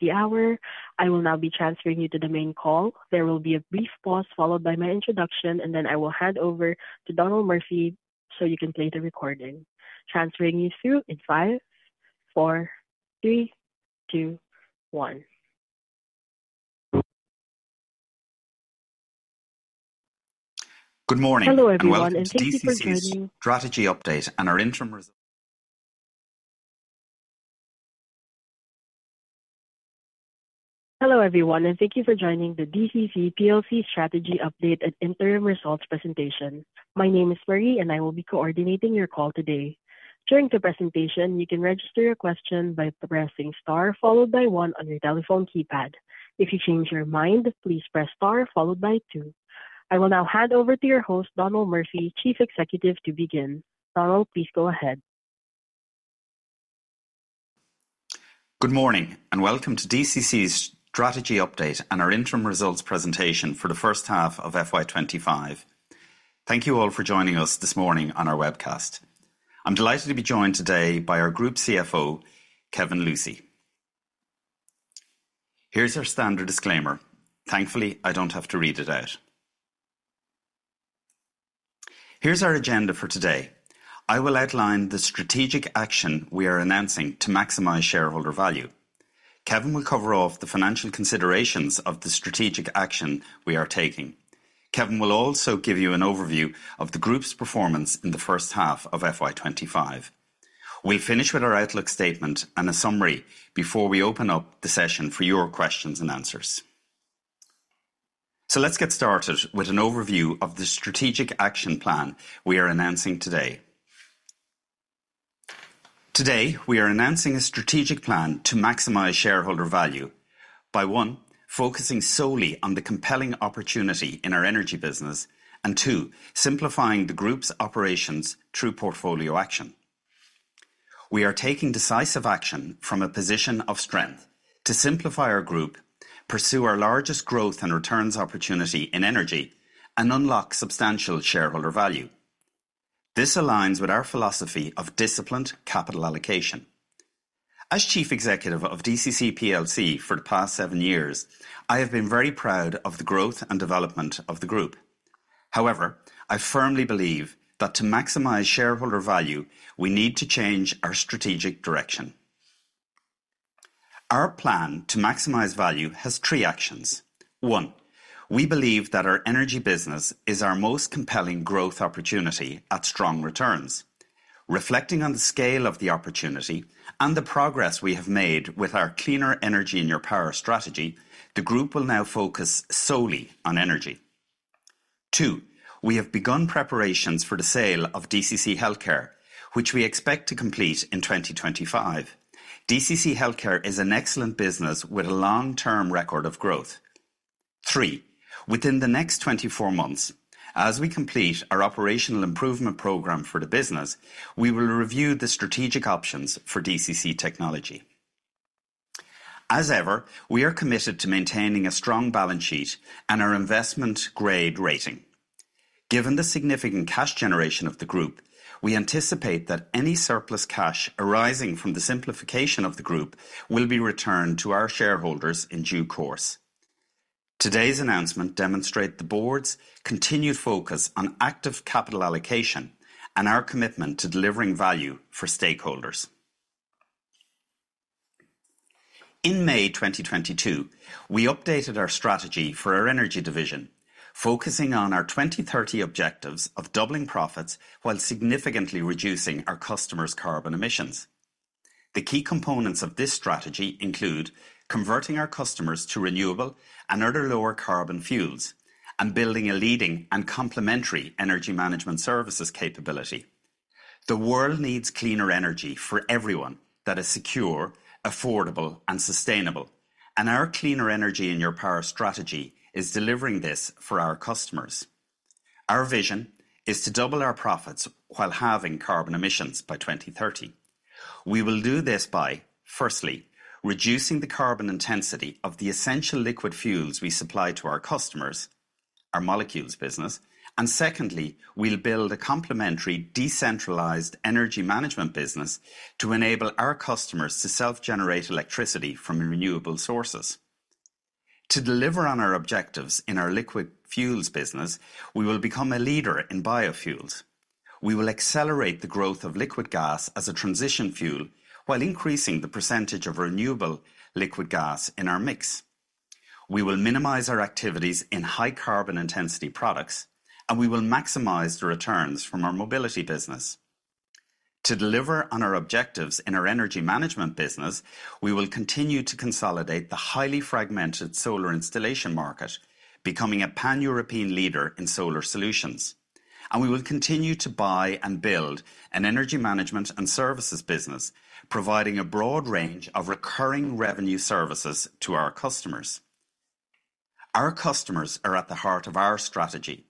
hour. I will now be transferring you to the main call. There will be a brief pause followed by my introduction, and then I will hand over to Donal Murphy so you can play the recording. Transferring you through in five, four, three, two, one. Good morning. Hello, everyone, and thank you for joining. Strategy update and our. Hello, everyone, and thank you for joining the DCC plc Strategy Update and Interim Results Presentation. My name is Marie, and I will be coordinating your call today. During the presentation, you can register your question by pressing star followed by one on your telephone keypad. If you change your mind, please press star followed by two. I will now hand over to your host, Donal Murphy, Chief Executive, to begin. Donal, please go ahead. Good morning and welcome to DCC's Strategy Update and our Interim Results Presentation for the First Half of FY 2025. Thank you all for joining us this morning on our webcast. I'm delighted to be joined today by our Group CFO, Kevin Lucey. Here's our standard disclaimer. Thankfully, I don't have to read it out. Here's our agenda for today. I will outline the strategic action we are announcing to maximize shareholder value. Kevin will cover off the financial considerations of the strategic action we are taking. Kevin will also give you an overview of the group's performance in the first half of FY 2025. We'll finish with our outlook statement and a summary before we open up the session for your questions and answers, so let's get started with an overview of the strategic action plan we are announcing today. Today, we are announcing a strategic plan to maximize shareholder value by, one, focusing solely on the compelling opportunity in our energy business, and two, simplifying the group's operations through portfolio action. We are taking decisive action from a position of strength to simplify our group, pursue our largest growth and returns opportunity in energy, and unlock substantial shareholder value. This aligns with our philosophy of disciplined capital allocation. As Chief Executive of DCC plc for the past seven years, I have been very proud of the growth and development of the group. However, I firmly believe that to maximize shareholder value, we need to change our strategic direction. Our plan to maximize value has three actions. One, we believe that our energy business is our most compelling growth opportunity at strong returns. Reflecting on the scale of the opportunity and the progress we have made with our cleaner energy, our power strategy, the group will now focus solely on energy. Two, we have begun preparations for the sale of DCC Healthcare, which we expect to complete in 2025. DCC Healthcare is an excellent business with a long-term record of growth. Three, within the next 24 months, as we complete our operational improvement program for the business, we will review the strategic options for DCC Technology. As ever, we are committed to maintaining a strong balance sheet and our Investment-Grade Rating. Given the significant cash generation of the group, we anticipate that any surplus cash arising from the simplification of the group will be returned to our shareholders in due course. Today's announcement demonstrates the board's continued focus on active capital allocation and our commitment to delivering value for stakeholders. In May 2022, we updated our strategy for our energy division, focusing on our 2030 objectives of doubling profits while significantly reducing our customers' carbon emissions. The key components of this strategy include converting our customers to renewable and other lower-carbon fuels and building a leading and complementary energy management services capability. The world needs cleaner energy for everyone that is secure, affordable, and sustainable, and our cleaner energy in your power strategy is delivering this for our customers. Our vision is to double our profits while halving carbon emissions by 2030. We will do this by, firstly, reducing the carbon intensity of the essential liquid fuels we supply to our customers, our molecules business, and secondly, we'll build a complementary decentralized energy management business to enable our customers to self-generate electricity from renewable sources. To deliver on our objectives in our liquid fuels business, we will become a leader in biofuels. We will accelerate the growth of liquid gas as a transition fuel while increasing the percentage of renewable liquid gas in our mix. We will minimize our activities in high-carbon intensity products, and we will maximize the returns from our mobility business. To deliver on our objectives in our energy management business, we will continue to consolidate the highly fragmented solar installation market, becoming a pan-European leader in solar solutions, and we will continue to buy and build an energy management and services business, providing a broad range of recurring revenue services to our customers. Our customers are at the heart of our strategy.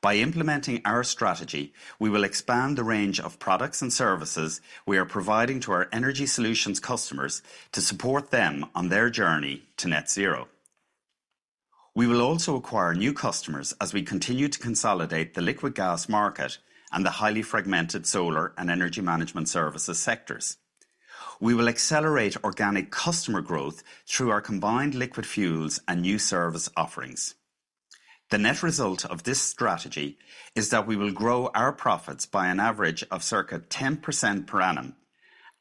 By implementing our strategy, we will expand the range of products and services we are providing to our energy solutions customers to support them on their journey to Net Zero. We will also acquire new customers as we continue to consolidate the liquid gas market and the highly fragmented solar and energy management services sectors. We will accelerate organic customer growth through our combined liquid fuels and new service offerings. The net result of this strategy is that we will grow our profits by an average of circa 10% per annum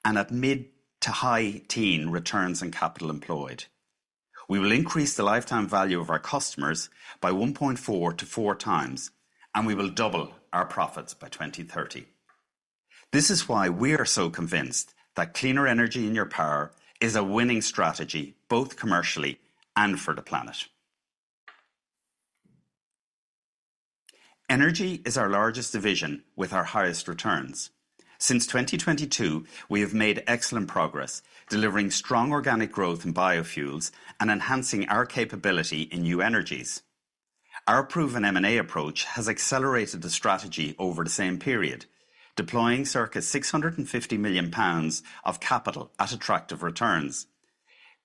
and at mid- to high-teens returns on capital employed. We will increase the lifetime value of our customers by 1.4-4 times, and we will double our profits by 2030. This is why we are so convinced that cleaner energy is our power is a winning strategy both commercially and for the planet. Energy is our largest division with our highest returns. Since 2022, we have made excellent progress delivering strong organic growth in biofuels and enhancing our capability in new energies. Our proven M&A approach has accelerated the strategy over the same period, deploying circa 650 million pounds of capital at attractive returns.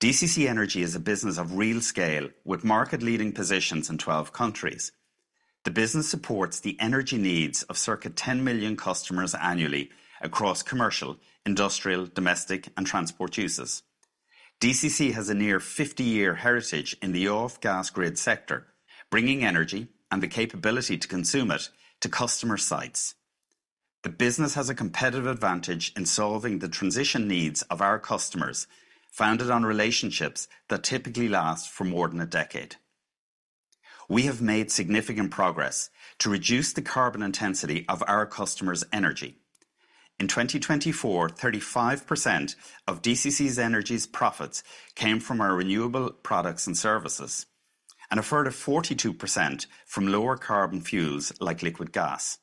DCC Energy is a business of real scale with market-leading positions in 12 countries. The business supports the energy needs of circa 10 million customers annually across commercial, industrial, domestic, and transport uses. DCC has a near 50-year heritage in the off-gas grid sector, bringing energy and the capability to consume it to customer sites. The business has a competitive advantage in solving the transition needs of our customers, founded on relationships that typically last for more than a decade. We have made significant progress to reduce the carbon intensity of our customers' energy. In 2024, 35% of DCC Energy's profits came from our renewable products and services and a further 42% from lower-carbon fuels like liquid gas.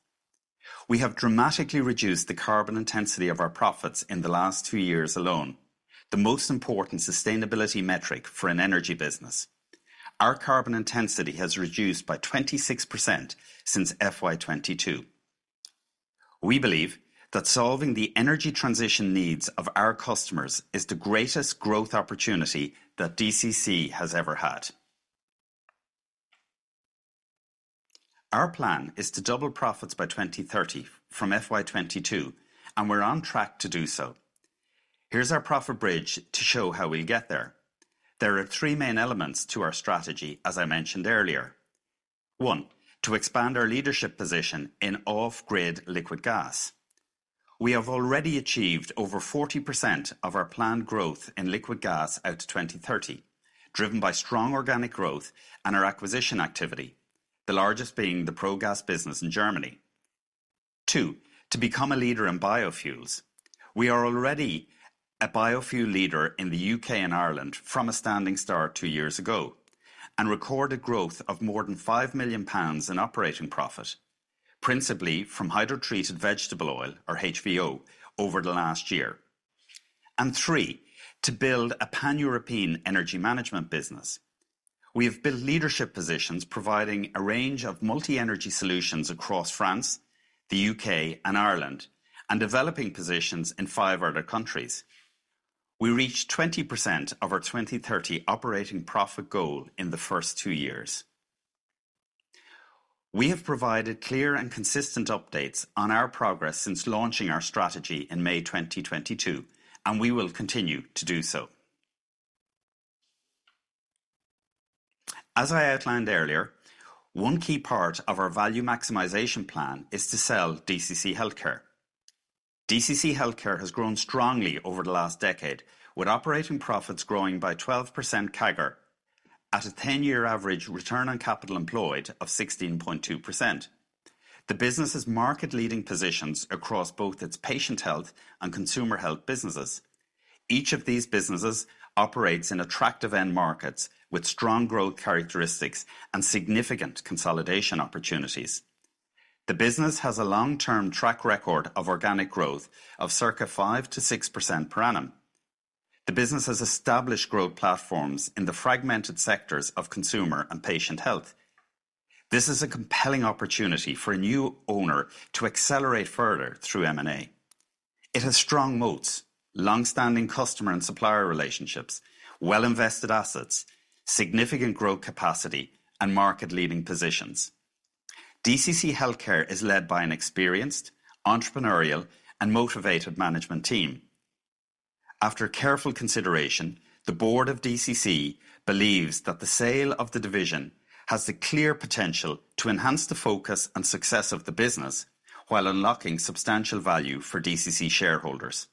We have dramatically reduced the carbon intensity of our profits in the last two years alone, the most important sustainability metric for an energy business. Our carbon intensity has reduced by 26% since FY 2022. We believe that solving the energy transition needs of our customers is the greatest growth opportunity that DCC has ever had. Our plan is to double profits by 2030 from FY 2022, and we're on track to do so. Here's our profit bridge to show how we'll get there. There are three main elements to our strategy, as I mentioned earlier. One, to expand our leadership position in off-grid liquid gas. We have already achieved over 40% of our planned growth in liquid gas out to 2030, driven by strong organic growth and our acquisition activity, the largest being the ProGas business in Germany. Two, to become a leader in biofuels. We are already a biofuel leader in the UK and Ireland from a standing start two years ago and recorded growth of more than 5 million pounds in operating profit, principally from hydrotreated vegetable oil, or HVO, over the last year. And three, to build a pan-European energy management business. We have built leadership positions providing a range of multi-energy solutions across France, the UK, and Ireland, and developing positions in five other countries. We reached 20% of our 2030 operating profit goal in the first two years. We have provided clear and consistent updates on our progress since launching our strategy in May 2022, and we will continue to do so. As I outlined earlier, one key part of our value maximization plan is to sell DCC Healthcare. DCC Healthcare has grown strongly over the last decade, with operating profits growing by 12% CAGR at a 10-year average return on capital employed of 16.2%. The business has market-leading positions across both its patient health and consumer health businesses. Each of these businesses operates in attractive end markets with strong growth characteristics and significant consolidation opportunities. The business has a long-term track record of organic growth of circa 5%-6% per annum. The business has established growth platforms in the fragmented sectors of consumer and patient health. This is a compelling opportunity for a new owner to accelerate further through M&A. It has strong moats, long-standing customer and supplier relationships, well-invested assets, significant growth capacity, and market-leading positions. DCC Healthcare is led by an experienced, entrepreneurial, and motivated management team. After careful consideration, the board of DCC believes that the sale of the division has the clear potential to enhance the focus and success of the business while unlocking substantial value for DCC shareholders.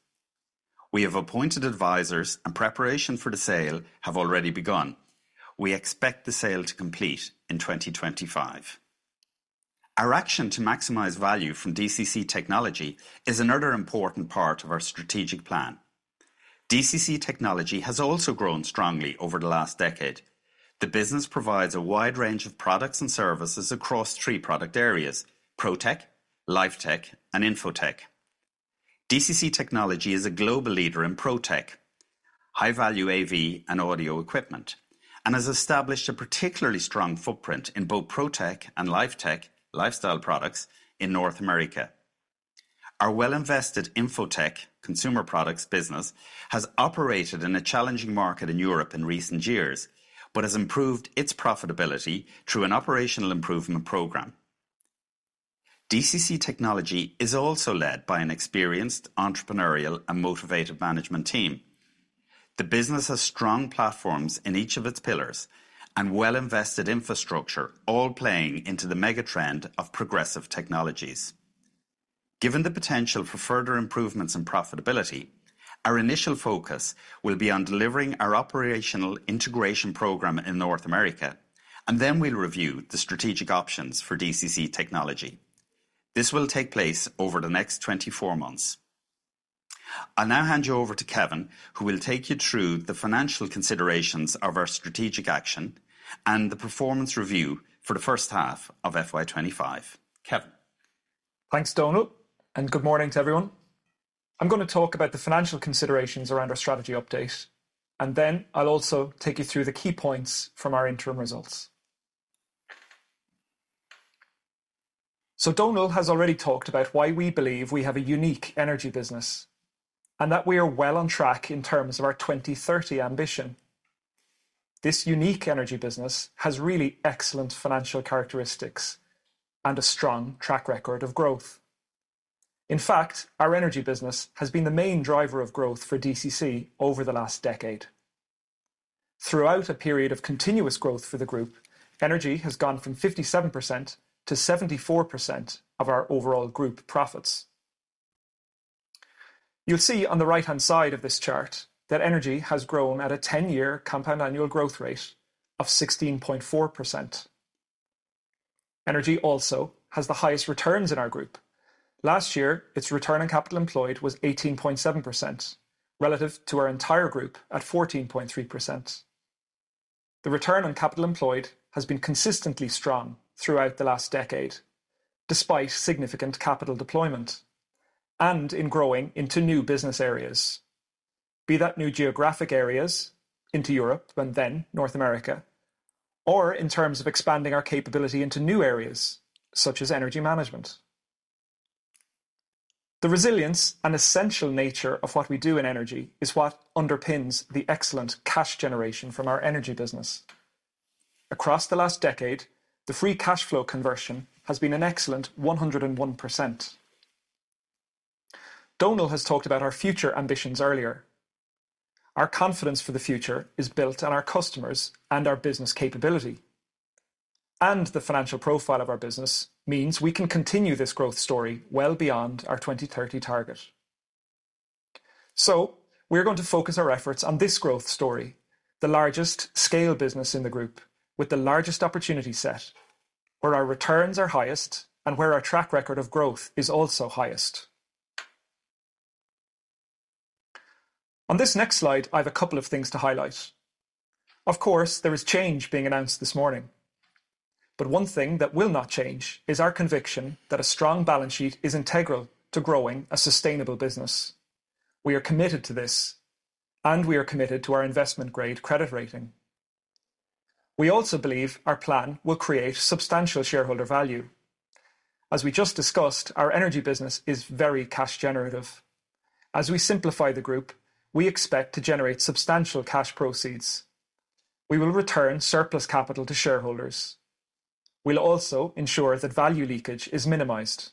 We have appointed advisors, and preparation for the sale has already begun. We expect the sale to complete in 2025. Our action to maximize value from DCC Technology is another important part of our strategic plan. DCC Technology has also grown strongly over the last decade. The business provides a wide range of products and services across three product areas: ProTech, LifeTech, and InfoTech. DCC Technology is a global leader in ProTech, high-value AV and audio equipment, and has established a particularly strong footprint in both ProTech and LifeTech lifestyle products in North America. Our well-invested InfoTech consumer products business has operated in a challenging market in Europe in recent years but has improved its profitability through an operational improvement program. DCC Technology is also led by an experienced, entrepreneurial, and motivated management team. The business has strong platforms in each of its pillars and well-invested infrastructure, all playing into the megatrend of progressive technologies. Given the potential for further improvements in profitability, our initial focus will be on delivering our operational integration program in North America, and then we'll review the strategic options for DCC Technology. This will take place over the next 24 months. I'll now hand you over to Kevin, who will take you through the financial considerations of our strategic action and the performance review for the first half of FY 2025. Kevin. Thanks, Donal, and good morning to everyone. I'm going to talk about the financial considerations around our strategy update, and then I'll also take you through the key points from our interim results. So Donal has already talked about why we believe we have a unique energy business and that we are well on track in terms of our 2030 ambition. This unique energy business has really excellent financial characteristics and a strong track record of growth. In fact, our energy business has been the main driver of growth for DCC over the last decade. Throughout a period of continuous growth for the group, energy has gone from 57%-74% of our overall group profits. You'll see on the right-hand side of this chart that energy has grown at a 10-year compound annual growth rate of 16.4%. Energy also has the highest returns in our group. Last year, its return on capital employed was 18.7% relative to our entire group at 14.3%. The return on capital employed has been consistently strong throughout the last decade, despite significant capital deployment and in growing into new business areas, be that new geographic areas into Europe and then North America, or in terms of expanding our capability into new areas such as energy management. The resilience and essential nature of what we do in energy is what underpins the excellent cash generation from our energy business. Across the last decade, the free cash flow conversion has been an excellent 101%. Donal has talked about our future ambitions earlier. Our confidence for the future is built on our customers and our business capability, and the financial profile of our business means we can continue this growth story well beyond our 2030 target. So we're going to focus our efforts on this growth story, the largest scale business in the group with the largest opportunity set, where our returns are highest and where our track record of growth is also highest. On this next slide, I have a couple of things to highlight. Of course, there is change being announced this morning, but one thing that will not change is our conviction that a strong balance sheet is integral to growing a sustainable business. We are committed to this, and we are committed to our investment-grade credit rating. We also believe our plan will create substantial shareholder value. As we just discussed, our energy business is very cash generative. As we simplify the group, we expect to generate substantial cash proceeds. We will return surplus capital to shareholders. We'll also ensure that value leakage is minimized.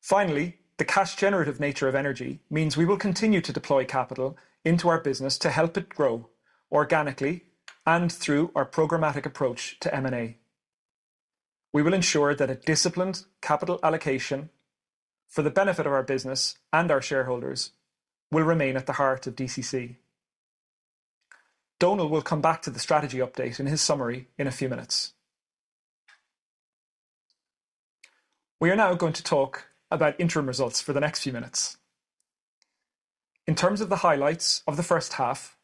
Finally, the cash generative nature of energy means we will continue to deploy capital into our business to help it grow organically and through our programmatic approach to M&A. We will ensure that a disciplined capital allocation for the benefit of our business and our shareholders will remain at the heart of DCC. Donal will come back to the strategy update in his summary in a few minutes. We are now going to talk about interim results for the next few minutes. In terms of the highlights of the first half,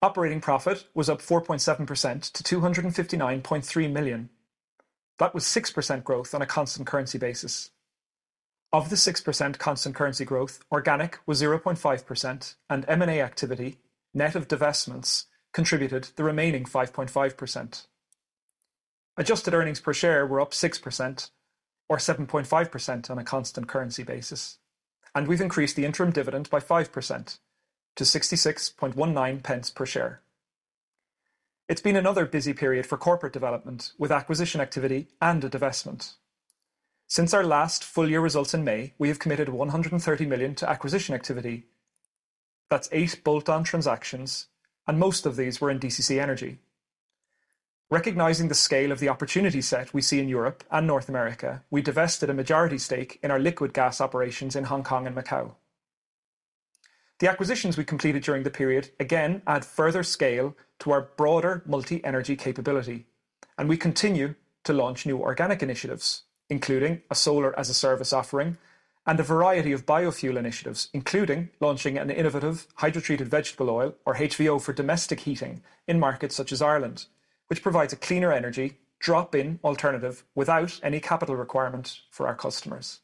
operating profit was up 4.7% to 259.3 million. That was 6% growth on a constant currency basis. Of the 6% constant currency growth, organic was 0.5%, and M&A activity, net of divestments, contributed the remaining 5.5%. Adjusted earnings per share were up 6% or 7.5% on a constant currency basis, and we've increased the interim dividend by 5% to 66.19 pence per share. It's been another busy period for corporate development with acquisition activity and a divestment. Since our last full-year results in May, we have committed 130 million to acquisition activity. That's eight bolt-on transactions, and most of these were in DCC Energy. Recognizing the scale of the opportunity set we see in Europe and North America, we divested a majority stake in our liquid gas operations in Hong Kong and Macau. The acquisitions we completed during the period again add further scale to our broader multi-energy capability, and we continue to launch new organic initiatives, including a solar-as-a-service offering and a variety of biofuel initiatives, including launching an innovative hydrotreated vegetable oil, or HVO, for domestic heating in markets such as Ireland, which provides a cleaner energy drop-in alternative without any capital requirement for our customers.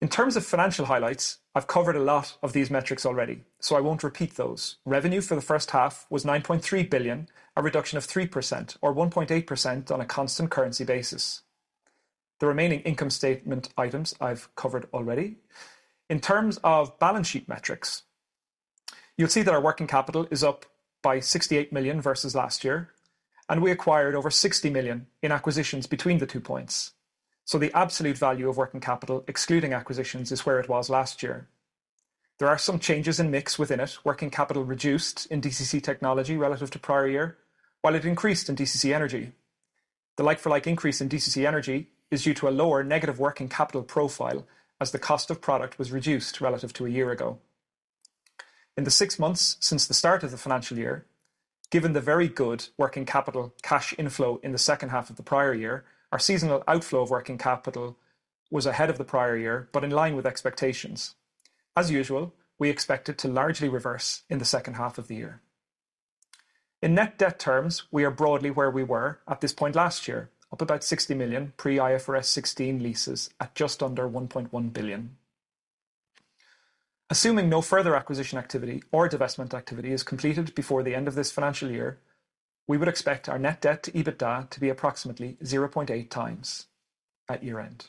In terms of financial highlights, I've covered a lot of these metrics already, so I won't repeat those. Revenue for the first half was 9.3 billion, a reduction of 3% or 1.8% on a constant currency basis. The remaining income statement items I've covered already. In terms of balance sheet metrics, you'll see that our working capital is up by 68 million versus last year, and we acquired over 60 million in acquisitions between the two points. So the absolute value of working capital excluding acquisitions is where it was last year. There are some changes in mix within it. Working capital reduced in DCC Technology relative to prior year, while it increased in DCC Energy. The like-for-like increase in DCC Energy is due to a lower negative working capital profile as the cost of product was reduced relative to a year ago. In the six months since the start of the financial year, given the very good working capital cash inflow in the second half of the prior year, our seasonal outflow of working capital was ahead of the prior year but in line with expectations. As usual, we expect it to largely reverse in the second half of the year. In net debt terms, we are broadly where we were at this point last year, up about 60 million pre-IFRS 16 leases at just under 1.1 billion. Assuming no further acquisition activity or divestment activity is completed before the end of this financial year, we would expect our net debt to EBITDA to be approximately 0.8 times at year-end.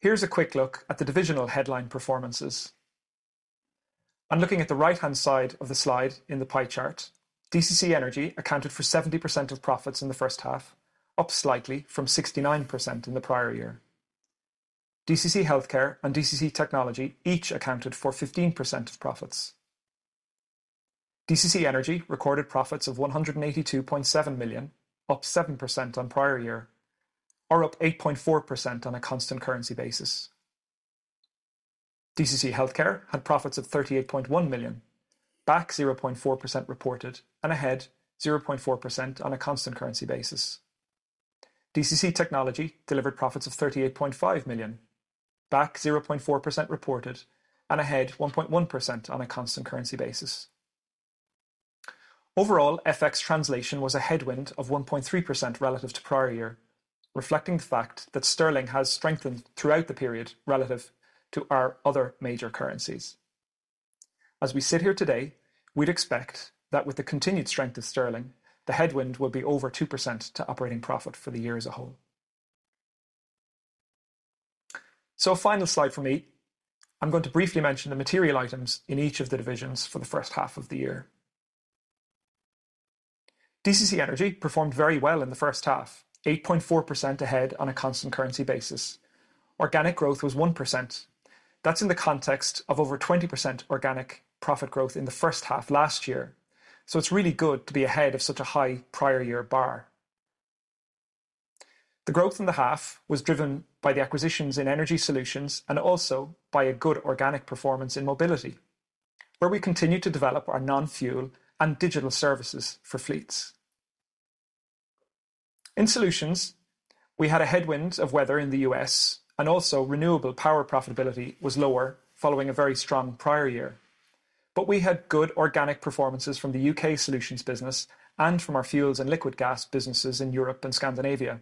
Here's a quick look at the divisional headline performances. I'm looking at the right-hand side of the slide in the pie chart. DCC Energy accounted for 70% of profits in the first half, up slightly from 69% in the prior year. DCC Healthcare and DCC Technology each accounted for 15% of profits. DCC Energy recorded profits of 182.7 million, up 7% on prior year, or up 8.4% on a constant currency basis. DCC Healthcare had profits of 38.1 million, back 0.4% reported, and ahead 0.4% on a constant currency basis. DCC Technology delivered profits of 38.5 million, back 0.4% reported, and ahead 1.1% on a constant currency basis. Overall, FX translation was a headwind of 1.3% relative to prior year, reflecting the fact that sterling has strengthened throughout the period relative to our other major currencies. As we sit here today, we'd expect that with the continued strength of sterling, the headwind will be over 2% to operating profit for the year as a whole. So a final slide for me. I'm going to briefly mention the material items in each of the divisions for the first half of the year. DCC Energy performed very well in the first half, 8.4% ahead on a constant currency basis. Organic growth was 1%. That's in the context of over 20% organic profit growth in the first half last year. So it's really good to be ahead of such a high prior year bar. The growth in the half was driven by the acquisitions in energy solutions and also by a good organic performance in mobility, where we continue to develop our non-fuel and digital services for fleets. In solutions, we had a headwind of weather in the U.S., and also renewable power profitability was lower following a very strong prior year. But we had good organic performances from the U.K. solutions business and from our fuels and liquid gas businesses in Europe and Scandinavia.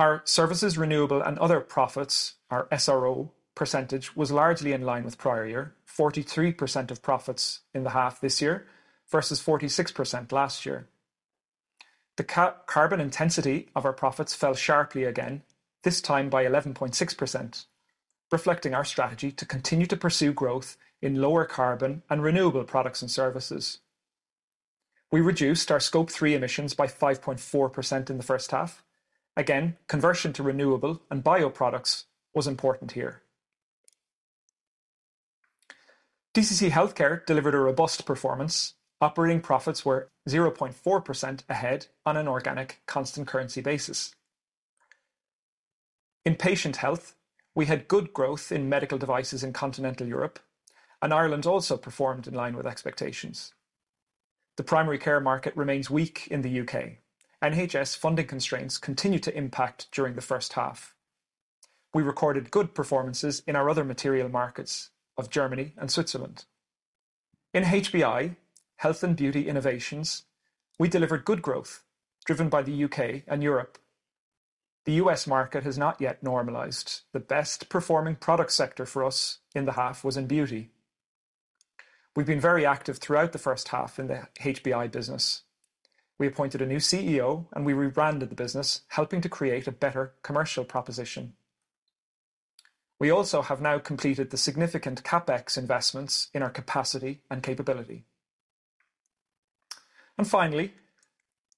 Our services, renewable, and other profits, our SRO percentage was largely in line with prior year, 43% of profits in the half this year versus 46% last year. The carbon intensity of our profits fell sharply again, this time by 11.6%, reflecting our strategy to continue to pursue growth in lower carbon and renewable products and services. We reduced our Scope 3 emissions by 5.4% in the first half. Again, conversion to renewable and bio products was important here. DCC Healthcare delivered a robust performance. Operating profits were 0.4% ahead on an organic constant currency basis. In patient health, we had good growth in medical devices in continental Europe, and Ireland also performed in line with expectations. The primary care market remains weak in the U.K. NHS funding constraints continue to impact during the first half. We recorded good performances in our other material markets of Germany and Switzerland. In HBI, health and beauty innovations, we delivered good growth driven by the U.K. and Europe. The U.S. market has not yet normalized. The best performing product sector for us in the half was in beauty. We've been very active throughout the first half in the HBI business. We appointed a new CEO, and we rebranded the business, helping to create a better commercial proposition. We also have now completed the significant CapEx investments in our capacity and capability. And finally,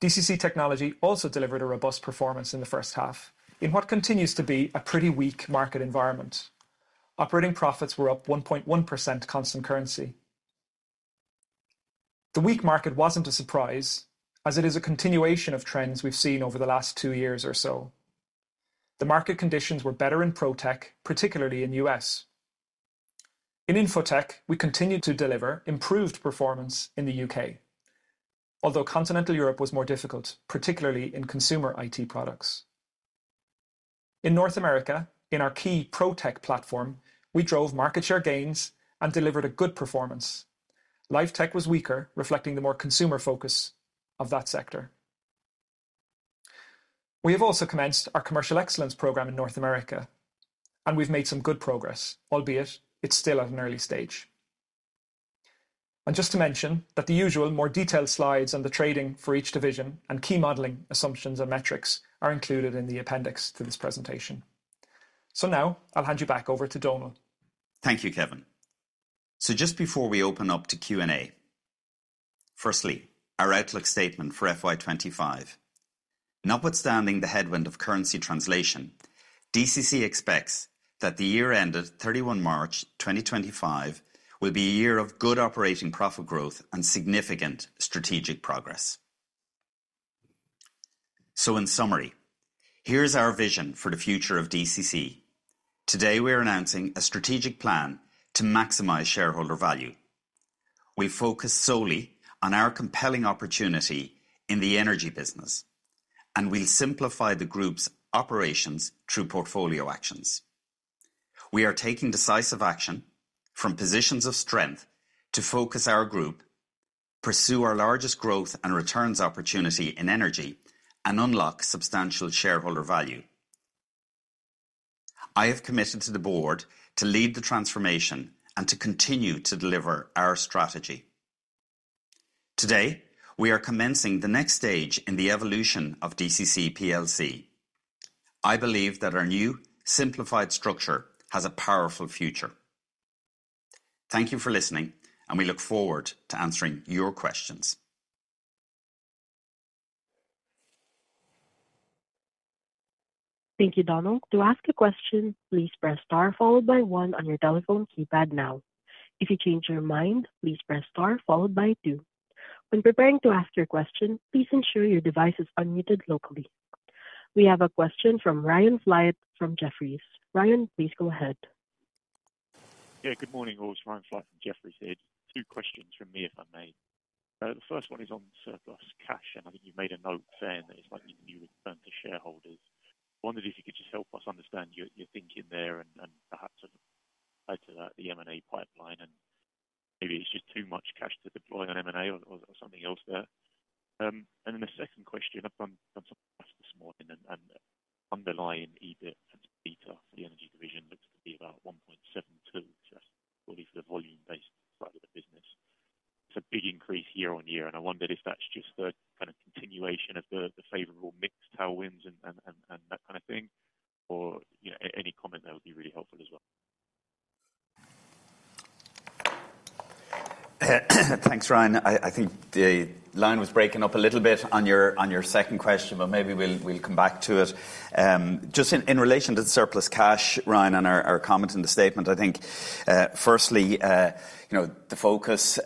DCC Technology also delivered a robust performance in the first half in what continues to be a pretty weak market environment. Operating profits were up 1.1% constant currency. The weak market wasn't a surprise, as it is a continuation of trends we've seen over the last two years or so. The market conditions were better in ProTech, particularly in the US. In InfoTech, we continued to deliver improved performance in the UK, although Continental Europe was more difficult, particularly in consumer IT products. In North America, in our key ProTech platform, we drove market share gains and delivered a good performance. LifeTech was weaker, reflecting the more consumer focus of that sector. We have also commenced our commercial excellence program in North America, and we've made some good progress, albeit it's still at an early stage. And just to mention that the usual more detailed slides on the trading for each division and key modeling assumptions and metrics are included in the appendix to this presentation. So now I'll hand you back over to Donal. Thank you, Kevin. So just before we open up to Q&A, firstly, our outlook statement for FY25. Notwithstanding the headwind of currency translation, DCC expects that the year ended 31 March 2025 will be a year of good operating profit growth and significant strategic progress. So in summary, here's our vision for the future of DCC. Today, we're announcing a strategic plan to maximize shareholder value. We focus solely on our compelling opportunity in the energy business, and we'll simplify the group's operations through portfolio actions. We are taking decisive action from positions of strength to focus our group, pursue our largest growth and returns opportunity in energy, and unlock substantial shareholder value. I have committed to the board to lead the transformation and to continue to deliver our strategy. Today, we are commencing the next stage in the evolution of DCC plc. I believe that our new simplified structure has a powerful future. Thank you for listening, and we look forward to answering your questions. Thank you, Donal. To ask a question, please press star followed by one on your telephone keypad now. If you change your mind, please press star followed by two. When preparing to ask your question, please ensure your device is unmuted locally. We have a question from Ryan Ayache from Jefferies. Ryan, please go ahead. Yeah, good morning. It was Ryan Ayache from Jefferies here. Two questions from me, if I may. The first one is on surplus cash, and I think you've made a note saying that it's like you would turn to shareholders. I wondered if you could just help us understand your thinking there and perhaps add to that the M&A pipeline, and maybe it's just too much cash to deploy on M&A or something else there. And then the second question, I've done some math this morning, and underlying EBITDA for the energy division looks to be about 1.72, probably for the volume-based side of the business. It's a big increase year on year, and I wondered if that's just the kind of continuation of the favorable mixed tailwinds and that kind of thing, or any comment there would be really helpful as well. Thanks, Ryan. I think the line was breaking up a little bit on your second question, but maybe we'll come back to it. Just in relation to the surplus cash, Ryan, and our comment in the statement, I think firstly, the focus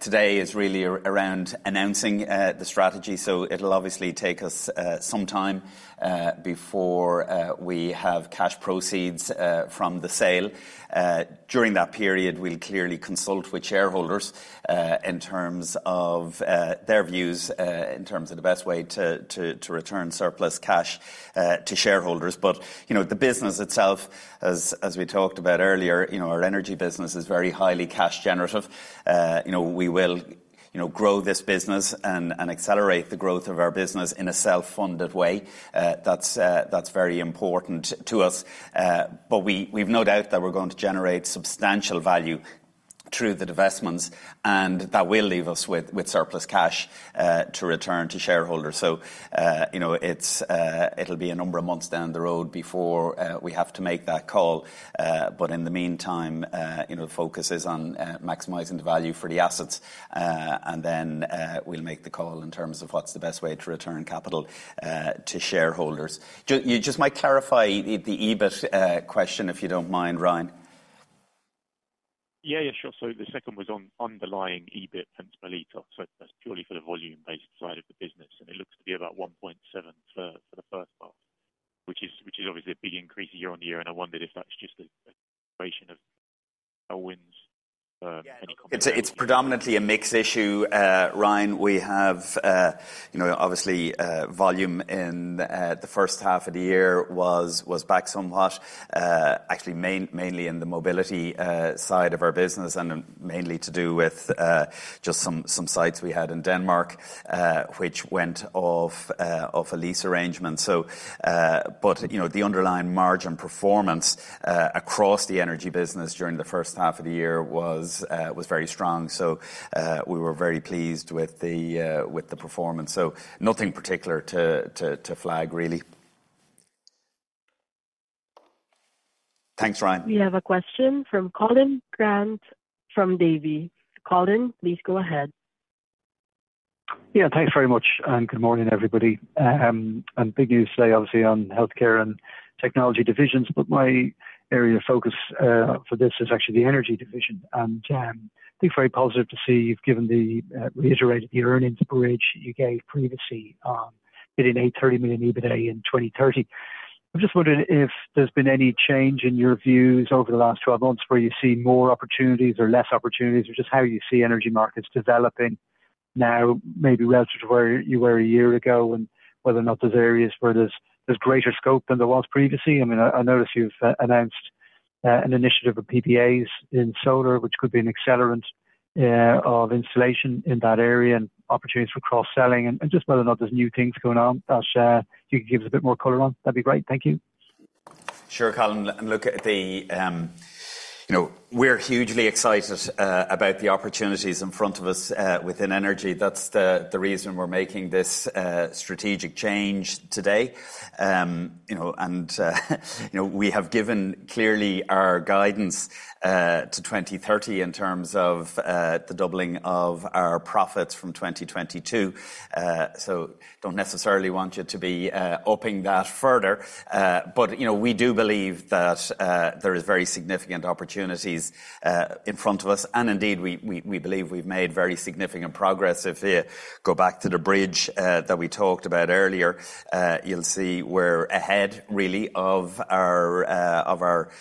today is really around announcing the strategy, so it'll obviously take us some time before we have cash proceeds from the sale. During that period, we'll clearly consult with shareholders in terms of their views in terms of the best way to return surplus cash to shareholders. But the business itself, as we talked about earlier, our energy business is very highly cash generative. We will grow this business and accelerate the growth of our business in a self-funded way. That's very important to us. But we've no doubt that we're going to generate substantial value through the divestments, and that will leave us with surplus cash to return to shareholders. So it'll be a number of months down the road before we have to make that call. But in the meantime, the focus is on maximizing the value for the assets, and then we'll make the call in terms of what's the best way to return capital to shareholders. Just might clarify the EBIT question if you don't mind, Ryan. Yeah, yeah, sure. So the second was on underlying EBIT and EBITDA. So that's purely for the volume-based side of the business, and it looks to be about 1.7 for the first half, which is obviously a big increase year on year. And I wondered if that's just a combination of tailwinds? It's predominantly a mixed issue. Ryan, we have obviously volume in the first half of the year was back somewhat, actually mainly in the mobility side of our business, and mainly to do with just some sites we had in Denmark, which went off a lease arrangement. But the underlying margin performance across the energy business during the first half of the year was very strong. So we were very pleased with the performance. So nothing particular to flag, really. Thanks, Ryan. We have a question from Colin Grant from Davy. Colin, please go ahead. Yeah, thanks very much. And good morning, everybody. And big news today, obviously, on healthcare and technology divisions, but my area of focus for this is actually the energy division. And I think it's very positive to see you've reiterated the earnings bridge you gave previously on hitting a 30 million EBITDA in 2030. I'm just wondering if there's been any change in your views over the last 12 months where you see more opportunities or less opportunities, or just how you see energy markets developing now, maybe relative to where you were a year ago and whether or not there's areas where there's greater scope than there was previously. I mean, I noticed you've announced an initiative of PPAs in solar, which could be an accelerant of installation in that area and opportunities for cross-selling, and just whether or not there's new things going on. I'll stop there if you can give us a bit more color on that. That'd be great. Thank you. Sure, Colin. And look at that we're hugely excited about the opportunities in front of us within energy. That's the reason we're making this strategic change today. And we have given clearly our guidance to 2030 in terms of the doubling of our profits from 2022. So don't necessarily want you to be upping that further. But we do believe that there are very significant opportunities in front of us. And indeed, we believe we've made very significant progress. If you go back to the bridge that we talked about earlier, you'll see we're ahead, really, of our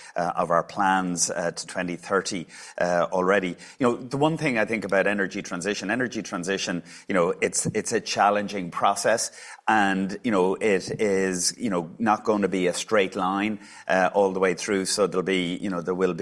plans to 2030 already. The one thing I think about energy transition, energy transition, it's a challenging process, and it is not going to be a straight line all the way through. So there will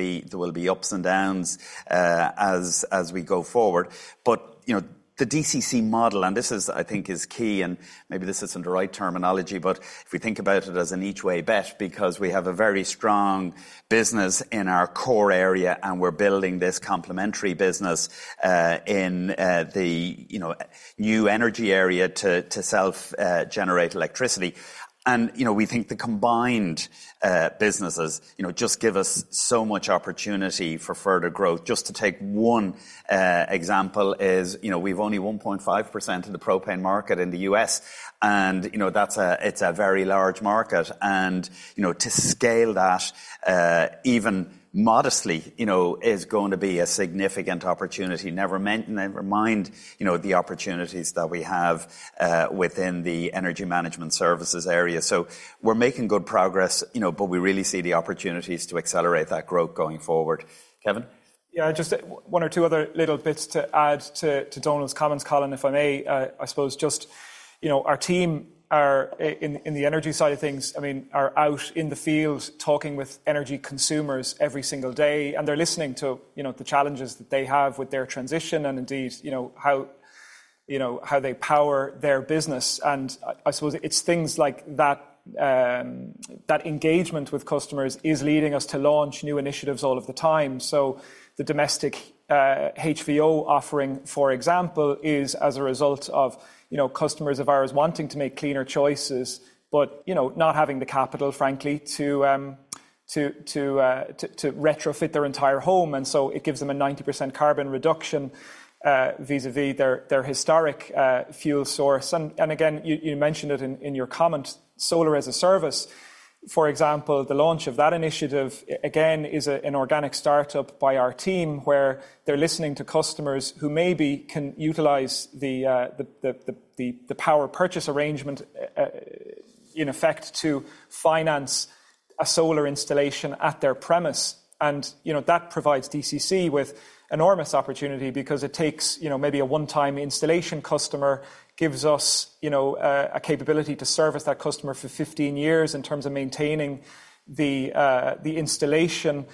be ups and downs as we go forward. But the DCC model, and this is, I think, key, and maybe this isn't the right terminology, but if we think about it as an each way bet because we have a very strong business in our core area, and we're building this complementary business in the new energy area to self-generate electricity. And we think the combined businesses just give us so much opportunity for further growth. Just to take one example, we've only 1.5% of the propane market in the U.S., and that's a very large market. And to scale that even modestly is going to be a significant opportunity. Never mind the opportunities that we have within the energy management services area. So we're making good progress, but we really see the opportunities to accelerate that growth going forward. Kevin? Yeah, just one or two other little bits to add to Donal's comments, Colin, if I may. I suppose just our team in the energy side of things, I mean, are out in the field talking with energy consumers every single day, and they're listening to the challenges that they have with their transition and indeed how they power their business. And I suppose it's things like that engagement with customers is leading us to launch new initiatives all of the time. So the domestic HVO offering, for example, is as a result of customers of ours wanting to make cleaner choices, but not having the capital, frankly, to retrofit their entire home. And so it gives them a 90% carbon reduction vis-à-vis their historic fuel source. And again, you mentioned it in your comment, solar as a service. For example, the launch of that initiative, again, is an organic startup by our team where they're listening to customers who maybe can utilize the power purchase arrangement in effect to finance a solar installation at their premise, and that provides DCC with enormous opportunity because it takes maybe a one-time installation customer, gives us a capability to service that customer for 15 years in terms of maintaining the installation.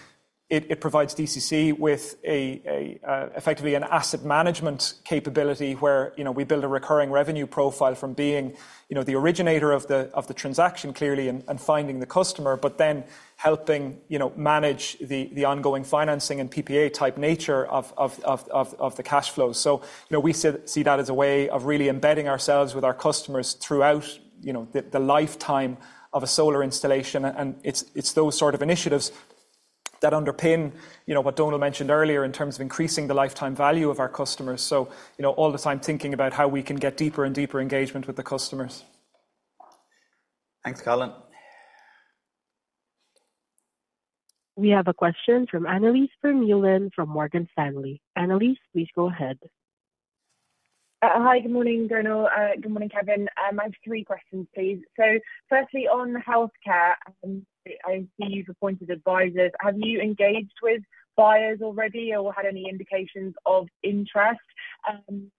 It provides DCC with effectively an asset management capability where we build a recurring revenue profile from being the originator of the transaction clearly and finding the customer, but then helping manage the ongoing financing and PPA-type nature of the cash flow, so we see that as a way of really embedding ourselves with our customers throughout the lifetime of a solar installation. And it's those sort of initiatives that underpin what Donal mentioned earlier in terms of increasing the lifetime value of our customers. So all the time thinking about how we can get deeper and deeper engagement with the customers. Thanks, Colin. We have a question from Annelies Vermeulen from Morgan Stanley. Annelies, please go ahead. Hi, good morning, Donal. Good morning, Kevin. I have three questions, please. So firstly, on healthcare, I see you've appointed advisors. Have you engaged with buyers already or had any indications of interest? And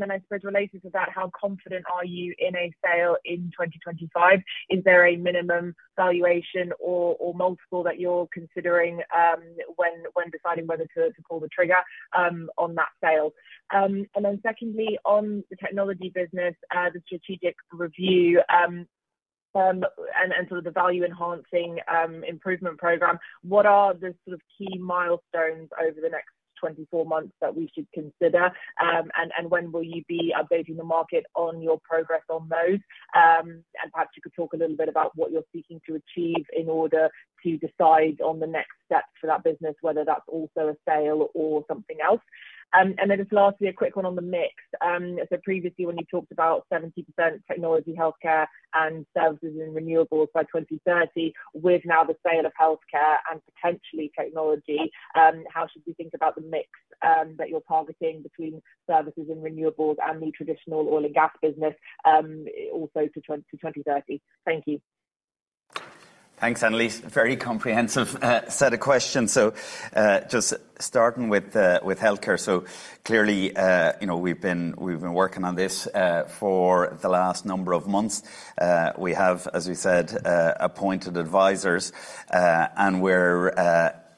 then I suppose related to that, how confident are you in a sale in 2025? Is there a minimum valuation or multiple that you're considering when deciding whether to pull the trigger on that sale? And then secondly, on the technology business, the strategic review and sort of the value-enhancing improvement program, what are the sort of key milestones over the next 24 months that we should consider? And when will you be updating the market on your progress on those? And perhaps you could talk a little bit about what you're seeking to achieve in order to decide on the next steps for that business, whether that's also a sale or something else. And then just lastly, a quick one on the mix. So previously, when you talked about 70% technology, healthcare, and services and renewables by 2030, with now the sale of healthcare and potentially technology, how should we think about the mix that you're targeting between services and renewables and the traditional oil and gas business also to 2030? Thank you. Thanks, Annelies. Very comprehensive set of questions. Just starting with healthcare. Clearly, we've been working on this for the last number of months. We have, as we said, appointed advisors, and we're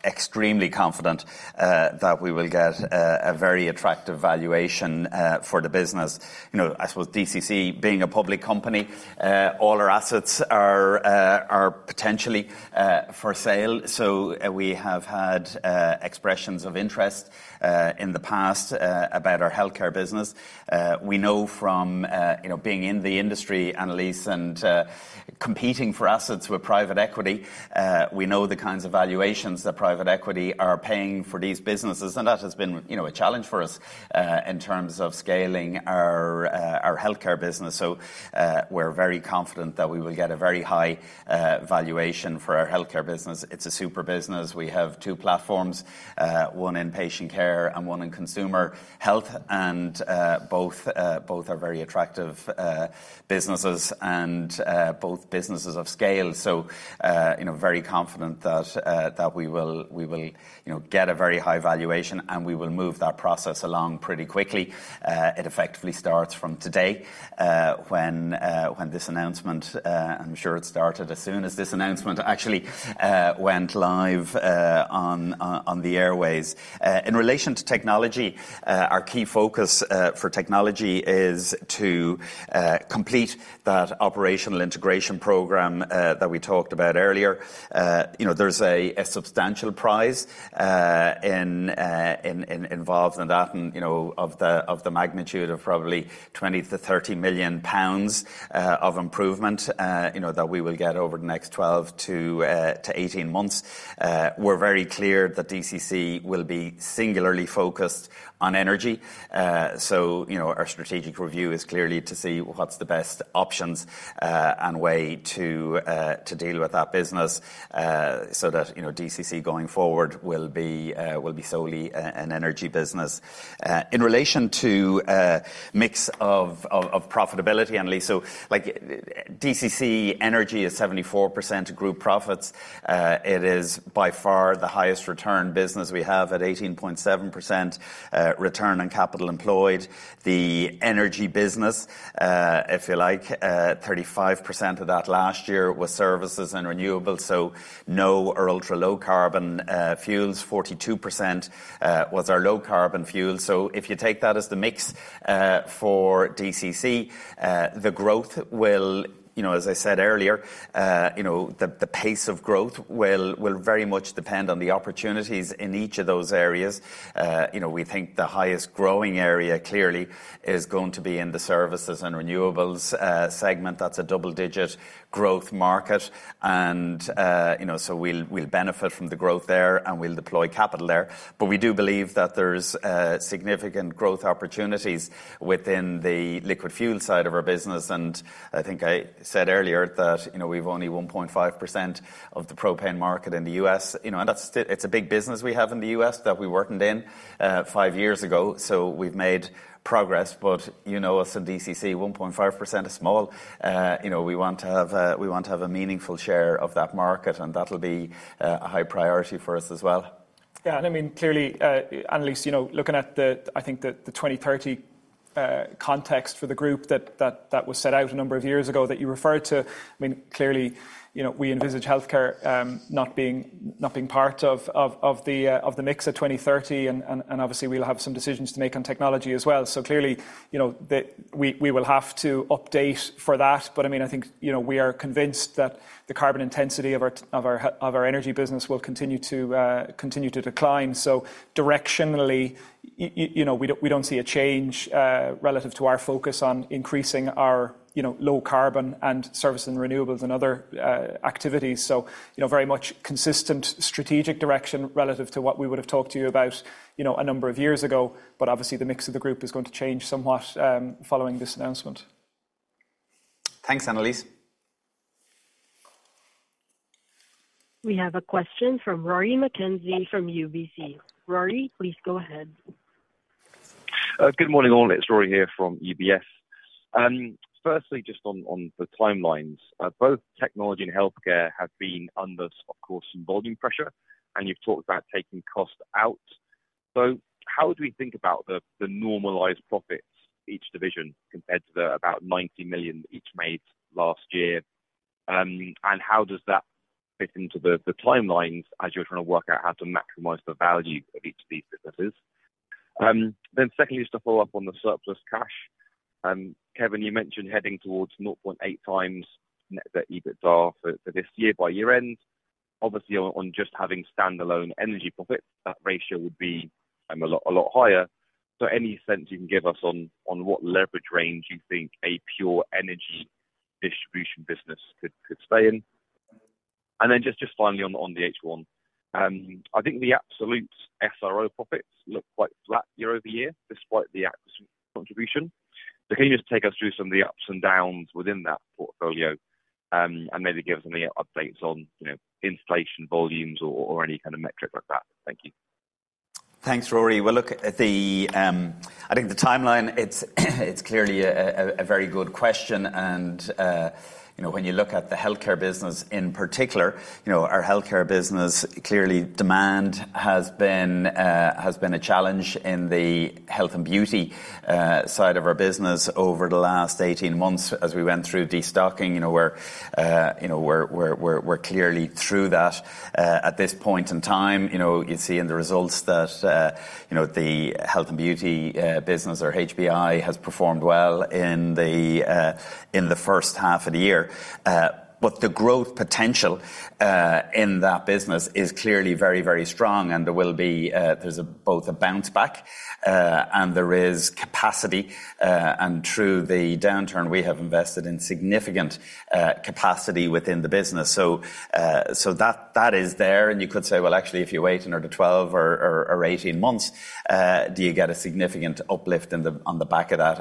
extremely confident that we will get a very attractive valuation for the business. I suppose DCC, being a public company, all our assets are potentially for sale. We have had expressions of interest in the past about our healthcare business. We know from being in the industry, Annelies, and competing for assets with private equity, we know the kinds of valuations that private equity are paying for these businesses. That has been a challenge for us in terms of scaling our healthcare business. We're very confident that we will get a very high valuation for our healthcare business. It's a super business. We have two platforms, one in patient care and one in consumer health, and both are very attractive businesses and both businesses of scale, so very confident that we will get a very high valuation, and we will move that process along pretty quickly. It effectively starts from today when this announcement, I'm sure it started as soon as this announcement actually went live on the airwaves. In relation to technology, our key focus for technology is to complete that operational integration program that we talked about earlier. There's a substantial benefit involved in that and of the magnitude of probably 20 million-30 million pounds of improvement that we will get over the next 12-18 months. We're very clear that DCC will be singularly focused on energy. So our strategic review is clearly to see what's the best options and way to deal with that business so that DCC going forward will be solely an energy business. In relation to mix of profitability, Annelies, so DCC Energy is 74% group profits. It is by far the highest return business. We have at 18.7% return on capital employed. The energy business, if you like, 35% of that last year was services and renewables. So non or ultra-low carbon fuels, 42% was our low carbon fuel. So if you take that as the mix for DCC, the growth will, as I said earlier, the pace of growth will very much depend on the opportunities in each of those areas. We think the highest growing area clearly is going to be in the services and renewables segment. That's a double-digit growth market. And so we'll benefit from the growth there, and we'll deploy capital there. But we do believe that there's significant growth opportunities within the liquid fuel side of our business. And I think I said earlier that we've only 1.5% of the propane market in the U.S. And it's a big business we have in the U.S. that we weren't in five years ago. So we've made progress. But you know us in DCC, 1.5% is small. We want to have a meaningful share of that market, and that'll be a high priority for us as well. Yeah. And I mean, clearly, Annelies, looking at the, I think, the 2030 context for the group that was set out a number of years ago that you referred to, I mean, clearly, we envisage healthcare not being part of the mix of 2030. Obviously, we'll have some decisions to make on technology as well. Clearly, we will have to update for that. I mean, I think we are convinced that the carbon intensity of our energy business will continue to decline. Directionally, we don't see a change relative to our focus on increasing our low carbon and services and renewables and other activities. Very much consistent strategic direction relative to what we would have talked to you about a number of years ago. Obviously, the mix of the group is going to change somewhat following this announcement. Thanks, Annelies. We have a question from Rory McKenzie from UBS. Rory, please go ahead. Good morning all. It's Rory here from UBS. Firstly, just on the timelines, both technology and healthcare have been under, of course, some volume pressure, and you've talked about taking cost out. How do we think about the normalized profits each division compared to the about 90 million each made last year? And how does that fit into the timelines as you're trying to work out how to maximize the value of each of these businesses? Then secondly, just to follow up on the surplus cash, Kevin, you mentioned heading towards 0.8 times net debt to EBITDA for this year by year-end. Obviously, on just having standalone energy profits, that ratio would be a lot higher. So any sense you can give us on what leverage range you think a pure energy distribution business could stay in? And then just finally on the H1, I think the absolute SRO profits look quite flat year over year despite the contribution. So can you just take us through some of the ups and downs within that portfolio and maybe give us any updates on inflation volumes or any kind of metric like that? Thank you. Thanks, Rory. I think the timeline, it's clearly a very good question. And when you look at the healthcare business in particular, our healthcare business, clearly, demand has been a challenge in the health and beauty side of our business over the last 18 months as we went through destocking. We're clearly through that at this point in time. You see in the results that the health and beauty business, or HBI, has performed well in the first half of the year. But the growth potential in that business is clearly very, very strong. And there will be both a bounce back, and there is capacity. Through the downturn, we have invested in significant capacity within the business. That is there. You could say, well, actually, if you wait another 12 or 18 months, do you get a significant uplift on the back of that?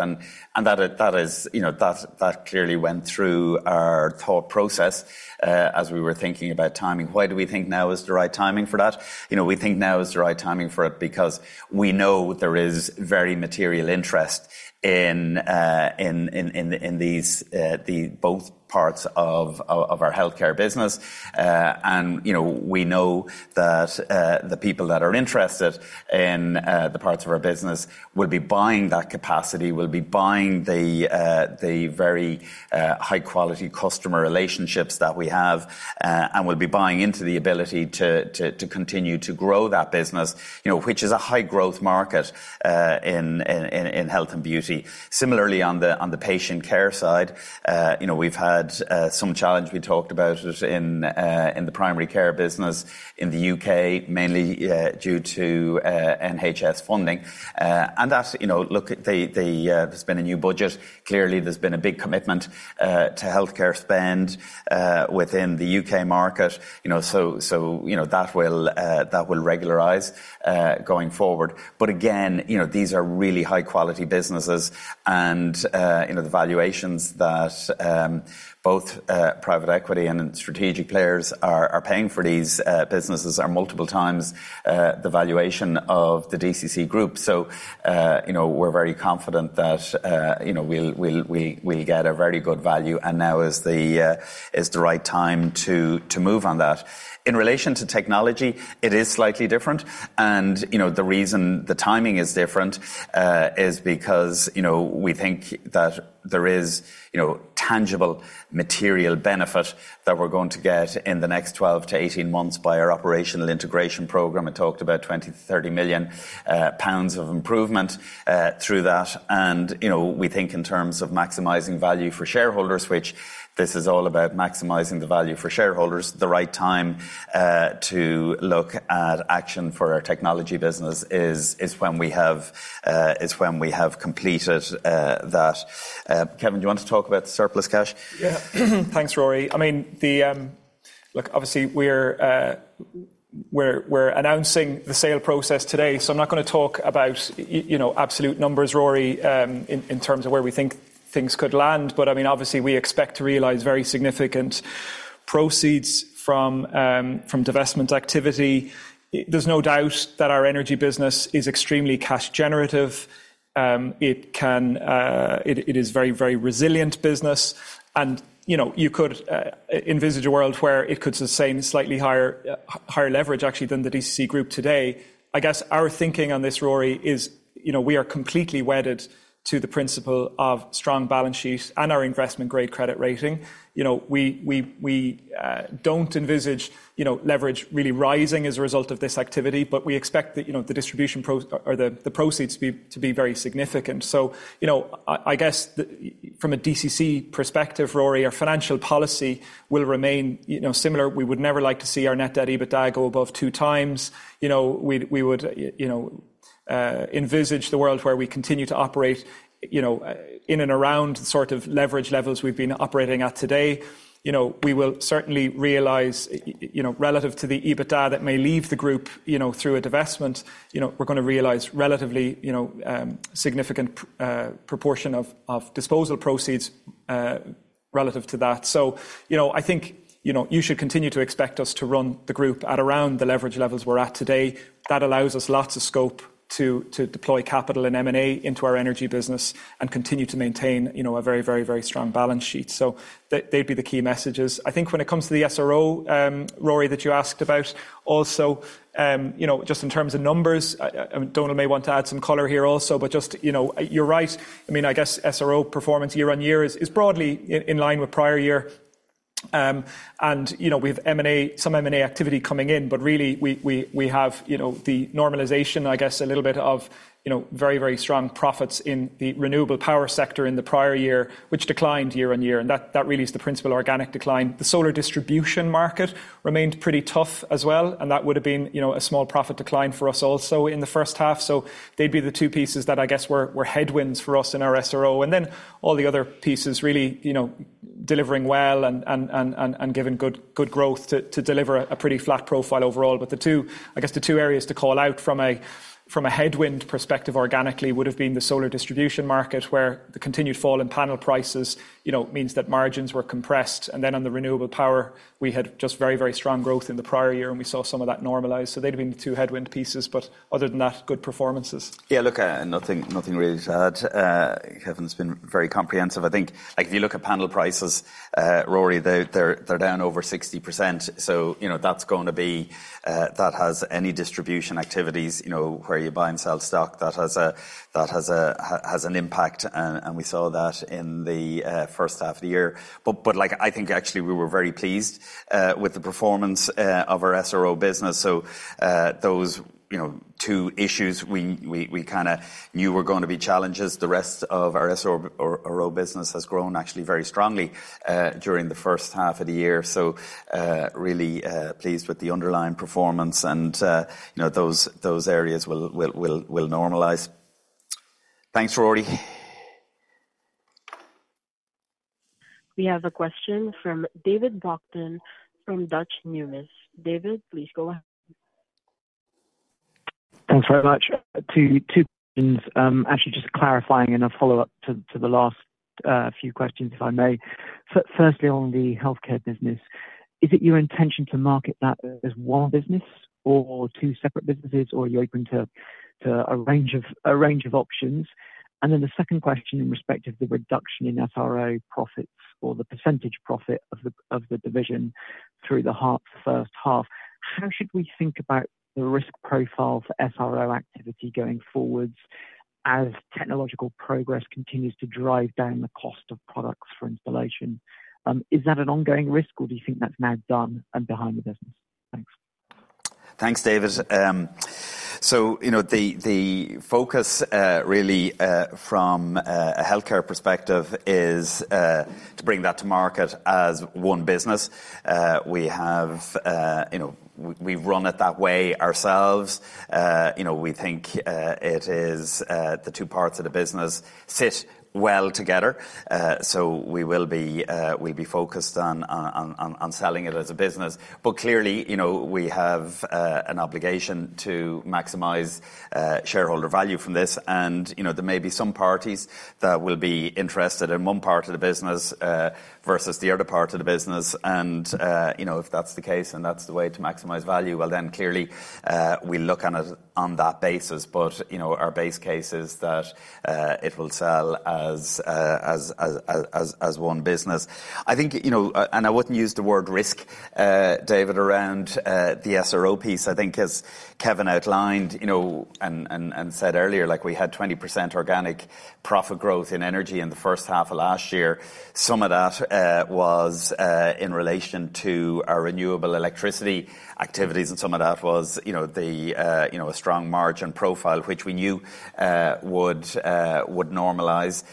That clearly went through our thought process as we were thinking about timing. Why do we think now is the right timing for that? We think now is the right timing for it because we know there is very material interest in both parts of our healthcare business. We know that the people that are interested in the parts of our business will be buying that capacity, will be buying the very high-quality customer relationships that we have, and will be buying into the ability to continue to grow that business, which is a high-growth market in health and beauty. Similarly, on the patient care side, we've had some challenge. We talked about it in the primary care business in the U.K., mainly due to NHS funding, and there's been a new budget. Clearly, there's been a big commitment to healthcare spend within the U.K. market, so that will regularize going forward, but again, these are really high-quality businesses, and the valuations that both private equity and strategic players are paying for these businesses are multiple times the valuation of the DCC group, so we're very confident that we'll get a very good value, and now is the right time to move on that. In relation to technology, it is slightly different, and the reason the timing is different is because we think that there is tangible material benefit that we're going to get in the next 12-18 months by our operational integration program. I talked about 20 million-30 million pounds of improvement through that. And we think in terms of maximizing value for shareholders, which this is all about maximizing the value for shareholders, the right time to look at action for our technology business is when we have completed that. Kevin, do you want to talk about the surplus cash? Yeah. Thanks, Rory. I mean, look, obviously, we're announcing the sale process today. So I'm not going to talk about absolute numbers, Rory, in terms of where we think things could land. But I mean, obviously, we expect to realize very significant proceeds from divestment activity. There's no doubt that our energy business is extremely cash-generative. It is a very, very resilient business. And you could envisage a world where it could sustain slightly higher leverage, actually, than the DCC group today. I guess our thinking on this, Rory, is we are completely wedded to the principle of strong balance sheets and our investment-grade credit rating. We don't envisage leverage really rising as a result of this activity, but we expect the distribution or the proceeds to be very significant. So I guess from a DCC perspective, Rory, our financial policy will remain similar. We would never like to see our net debt/EBITDA go above two times. We would envisage the world where we continue to operate in and around sort of leverage levels we've been operating at today. We will certainly realize, relative to the EBITDA that may leave the group through a divestment, we're going to realize relatively significant proportion of disposal proceeds relative to that. So I think you should continue to expect us to run the group at around the leverage levels we're at today. That allows us lots of scope to deploy capital and M&A into our energy business and continue to maintain a very, very, very strong balance sheet. So they'd be the key messages. I think when it comes to the SRO, Rory, that you asked about, also just in terms of numbers, I mean, Donal may want to add some color here also, but just you're right. I mean, I guess SRO performance year on year is broadly in line with prior year. And we have some M&A activity coming in, but really, we have the normalization, I guess, a little bit of very, very strong profits in the renewable power sector in the prior year, which declined year on year. And that really is the principal organic decline. The solar distribution market remained pretty tough as well, and that would have been a small profit decline for us also in the first half. So they'd be the two pieces that I guess were headwinds for us in our SRO. And then all the other pieces really delivering well and giving good growth to deliver a pretty flat profile overall. But I guess the two areas to call out from a headwind perspective organically would have been the solar distribution market, where the continued fall in panel prices means that margins were compressed. And then on the renewable power, we had just very, very strong growth in the prior year, and we saw some of that normalize. So they'd have been the two headwind pieces, but other than that, good performances. Yeah, look, nothing really to add. Kevin's been very comprehensive. I think if you look at panel prices, Rory, they're down over 60%. So that's going to be that has any distribution activities where you buy and sell stock, that has an impact. And we saw that in the first half of the year. But I think actually we were very pleased with the performance of our SRO business. So those two issues we kind of knew were going to be challenges. The rest of our SRO business has grown actually very strongly during the first half of the year. So really pleased with the underlying performance, and those areas will normalize. Thanks, Rory. We have a question from David Brockton from Deutsche Bank. David, please go ahead. Thanks very much. Two questions. Actually, just clarifying and a follow-up to the last few questions, if I may. Firstly, on the healthcare business, is it your intention to market that as one business or two separate businesses, or are you open to a range of options? And then the second question in respect of the reduction in SRO profits or the percentage profit of the division through the first half, how should we think about the risk profile for SRO activity going forwards as technological progress continues to drive down the cost of products for installation? Is that an ongoing risk, or do you think that's now done and behind the business? Thanks. Thanks, David. So the focus really from a healthcare perspective is to bring that to market as one business. We run it that way ourselves. We think it is the two parts of the business sit well together. So we will be focused on selling it as a business. But clearly, we have an obligation to maximize shareholder value from this. And there may be some parties that will be interested in one part of the business versus the other part of the business. And if that's the case and that's the way to maximize value, well, then clearly, we look on that basis. But our base case is that it will sell as one business. I think, and I wouldn't use the word risk, David, around the SRO piece. I think, as Kevin outlined and said earlier, we had 20% organic profit growth in energy in the first half of last year. Some of that was in relation to our renewable electricity activities, and some of that was a strong margin profile, which we knew would normalize.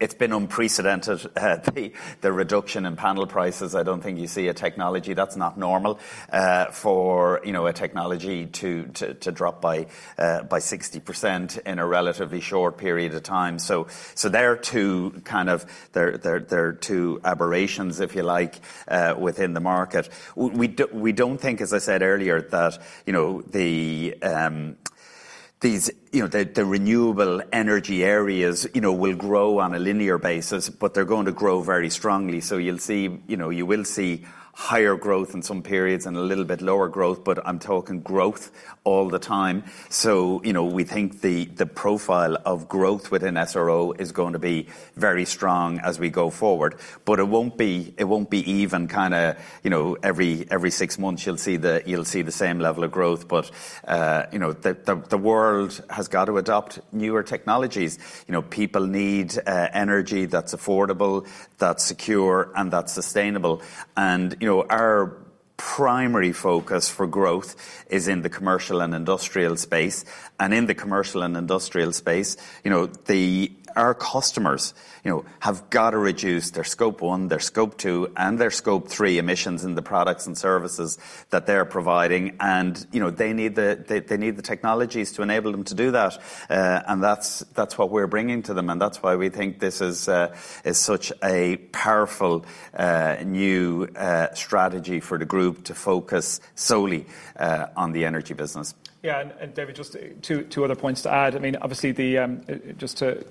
It's been unprecedented, the reduction in panel prices. I don't think you see a technology that's not normal for a technology to drop by 60% in a relatively short period of time. So there are two kind of aberrations, if you like, within the market. We don't think, as I said earlier, that the renewable energy areas will grow on a linear basis, but they're going to grow very strongly. So you will see higher growth in some periods and a little bit lower growth, but I'm talking growth all the time. So we think the profile of growth within SRO is going to be very strong as we go forward. But it won't be even kind of every six months you'll see the same level of growth. But the world has got to adopt newer technologies. People need energy that's affordable, that's secure, and that's sustainable. And our primary focus for growth is in the commercial and industrial space. And in the commercial and industrial space, our customers have got to reduce their Scope 1, their Scope 2, and their Scope 3 emissions in the products and services that they're providing. And they need the technologies to enable them to do that. And that's what we're bringing to them. And that's why we think this is such a powerful new strategy for the group to focus solely on the energy business. Yeah. And David, just two other points to add. I mean, obviously, just to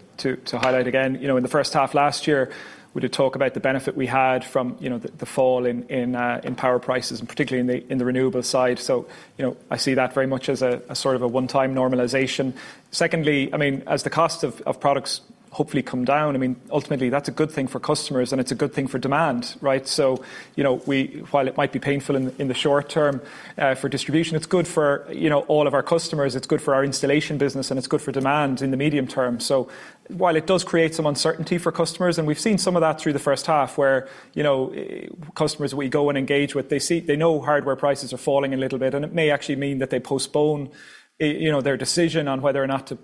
highlight again, in the first half last year, we did talk about the benefit we had from the fall in power prices, and particularly in the renewable side. So I see that very much as a sort of a one-time normalization. Secondly, I mean, as the cost of products hopefully come down, I mean, ultimately, that's a good thing for customers, and it's a good thing for demand, right? So while it might be painful in the short term for distribution, it's good for all of our customers. It's good for our installation business, and it's good for demand in the medium term. So while it does create some uncertainty for customers, and we've seen some of that through the first half, where customers we go and engage with, they know hardware prices are falling a little bit, and it may actually mean that they postpone their decision on whether or not to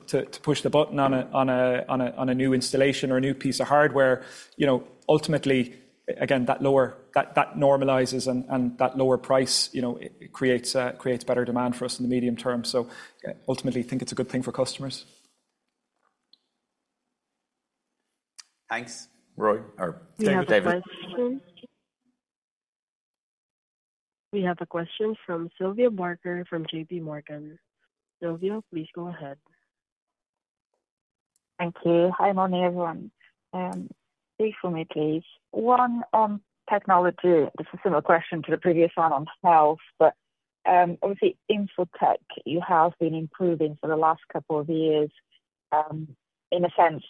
push the button on a new installation or a new piece of hardware. Ultimately, again, that normalizes and that lower price creates better demand for us in the medium term. So ultimately, I think it's a good thing for customers. Thanks. Rory, Thank you David. We have a question from Sylvia Barker from JPMorgan. Sylvia, please go ahead. Thank you. Hi, morning, everyone. Speak for me, please. One on technology. This is a similar question to the previous one on health, but obviously, InfoTech, you have been improving for the last couple of years. In a sense,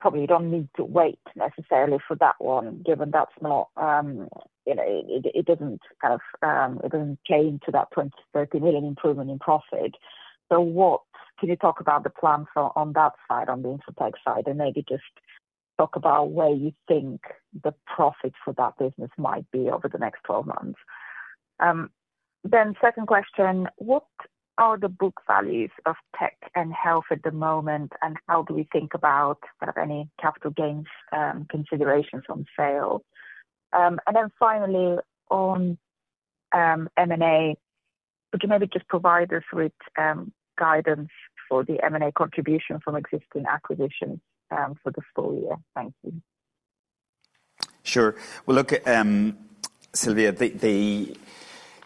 probably you don't need to wait necessarily for that one, given that it doesn't kind of play into that 20-30 million improvement in profit. So can you talk about the plans on that side, on the InfoTech side, and maybe just talk about where you think the profit for that business might be over the next 12 months? Then second question, what are the book values of tech and health at the moment, and how do we think about any capital gains considerations on sale? And then finally, on M&A, could you maybe just provide us with guidance for the M&A contribution from existing acquisitions for the full year? Thank you. Sure. Well, look, Sylvia,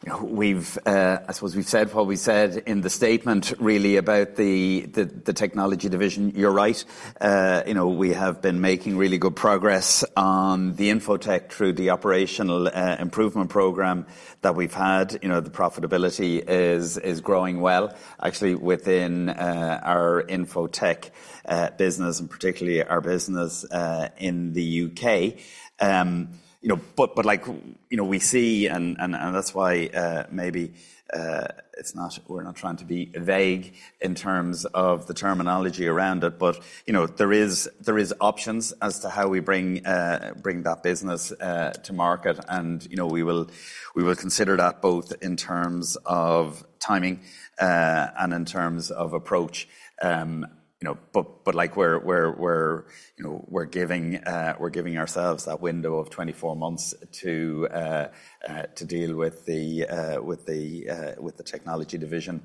I suppose we've said what we said in the statement, really, about the technology division. You're right. We have been making really good progress on the InfoTech through the operational improvement program that we've had. The profitability is growing well, actually, within our InfoTech business, and particularly our business in the U.K. But we see, and that's why maybe we're not trying to be vague in terms of the terminology around it, but there are options as to how we bring that business to market and we will consider that both in terms of timing and in terms of approach. But we're giving ourselves that window of 24 months to deal with the technology division.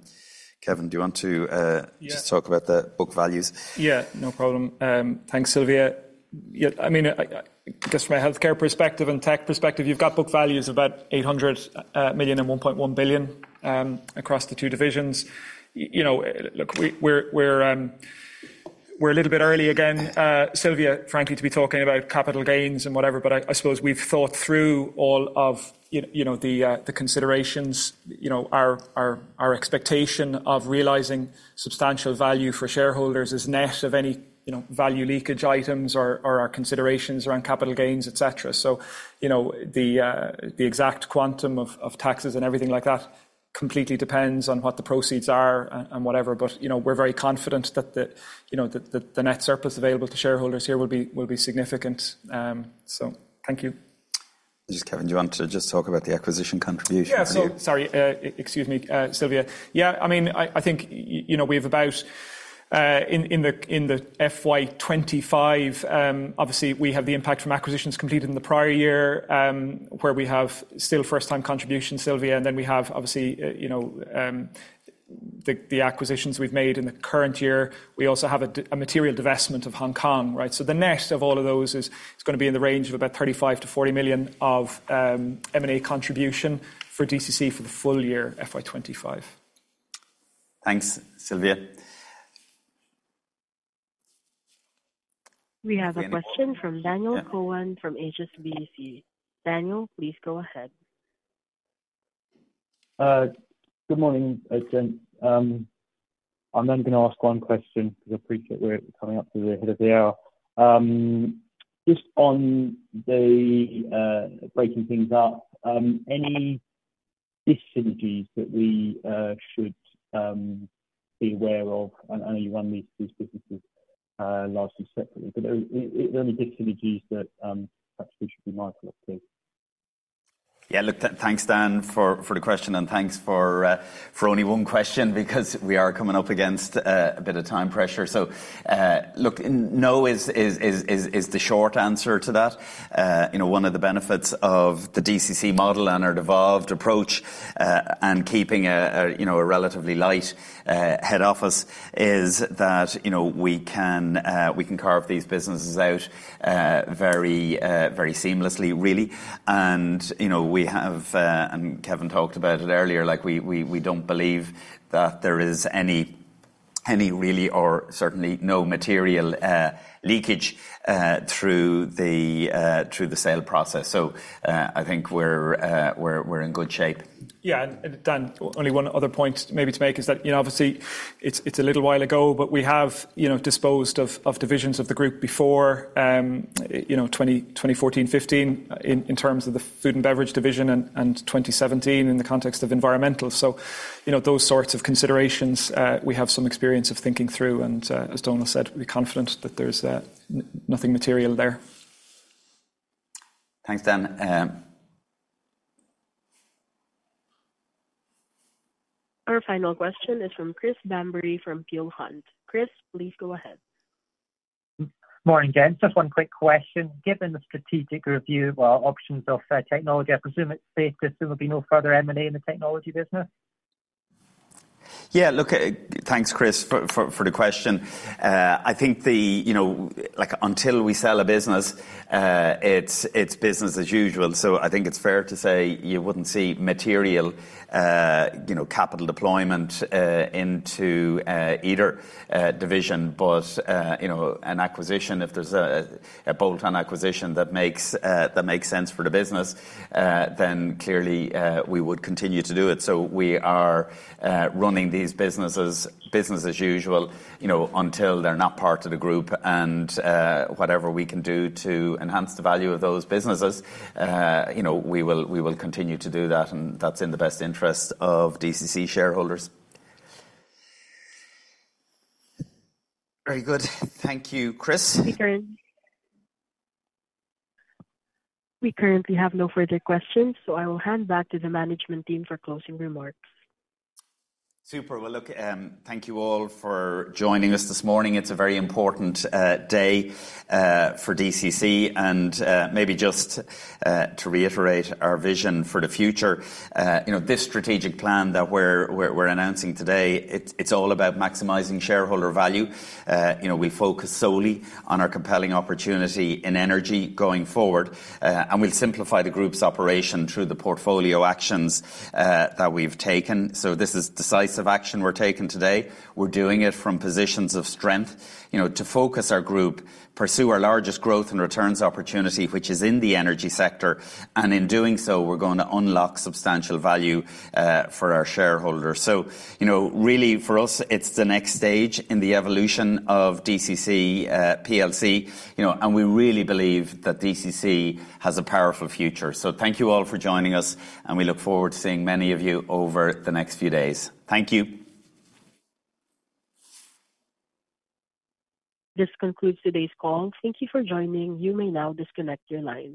Kevin, do you want to just talk about the book values? Yeah, no problem. Thanks, Sylvia. I mean, just from a healthcare perspective and tech perspective, you've got book values of about 800 million and 1.1 billion across the two divisions. Look, we're a little bit early again, Sylvia, frankly, to be talking about capital gains and whatever, but I suppose we've thought through all of the considerations. Our expectation of realizing substantial value for shareholders is net of any value leakage items or our considerations around capital gains, etc. So the exact quantum of taxes and everything like that completely depends on what the proceeds are and whatever. But we're very confident that the net surplus available to shareholders here will be significant. So thank you. Just Kevin, do you want to just talk about the acquisition contribution? Yeah. Sorry. Excuse me, Sylvia. Yeah. I mean, I think we have about in the FY 2025, obviously, we have the impact from acquisitions completed in the prior year, where we have still first-time contributions, Sylvia, and then we have, obviously, the acquisitions we've made in the current year. We also have a material divestment of Hong Kong, right? So the net of all of those is going to be in the range of about 35-40 million of M&A contribution for DCC for the full year, FY 2025. Thanks, Sylvia. We have a question from Daniel Cohen from HSBC. Daniel, please go ahead. Good morning, Donal. I'm going to ask one question because I appreciate we're coming up to the end of the hour. Just on breaking things up, any dis-synergies that we should be aware of? I know you run these businesses largely separately, but are there any dis-synergies that actually should be incurred collectively? Yeah. Look, thanks, Dan, for the question, and thanks for only one question because we are coming up against a bit of time pressure. So look, no is the short answer to that. One of the benefits of the DCC model and our devolved approach and keeping a relatively light head office is that we can carve these businesses out very seamlessly, really, and Kevin talked about it earlier. We don't believe that there is any really or certainly no material leakage through the sale process. So I think we're in good shape. Yeah. Dan, only one other point maybe to make is that, obviously, it's a little while ago, but we have disposed of divisions of the group before 2014, 2015 in terms of the food and beverage division and 2017 in the context of environmental. So those sorts of considerations, we have some experience of thinking through. And as Donal said, we're confident that there's nothing material there. Thanks, Dan. Our final question is from Chris Bamberry from Peel Hunt. Chris, please go ahead. Morning, gents. Just one quick question. Given the strategic review of options of technology, I presume it's safe to assume there'll be no further M&A in the technology business? Yeah. Look, thanks, Chris, for the question. I think until we sell a business, it's business as usual. So I think it's fair to say you wouldn't see material capital deployment into either division. But an acquisition, if there's a bolt-on acquisition that makes sense for the business, then clearly we would continue to do it. So we are running these businesses as usual until they're not part of the group. And whatever we can do to enhance the value of those businesses, we will continue to do that. And that's in the best interest of DCC shareholders. Very good. Thank you, Chris. We currently have no further questions, so I will hand back to the management team for closing remarks. Super. Well, look, thank you all for joining us this morning. It's a very important day for DCC. And maybe just to reiterate our vision for the future, this strategic plan that we're announcing today, it's all about maximizing shareholder value. We focus solely on our compelling opportunity in energy going forward. And we'll simplify the group's operation through the portfolio actions that we've taken. So this is decisive action we're taking today. We're doing it from positions of strength to focus our group, pursue our largest growth and returns opportunity, which is in the energy sector. And in doing so, we're going to unlock substantial value for our shareholders. So really, for us, it's the next stage in the evolution of DCC plc. And we really believe that DCC has a powerful future. So thank you all for joining us, and we look forward to seeing many of you over the next few days. Thank you. This concludes today's call. Thank you for joining. You may now disconnect your line.